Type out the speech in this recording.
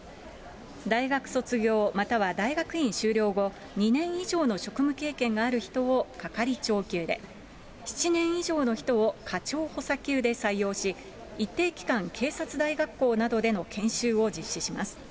大学卒業、または大学院修了後２年以上の職務経験がある人を係長級で、７年以上の人を課長補佐級で採用し、一定期間、警察大学校などでの研修を実施します。